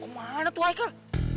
ke mana tuh aikal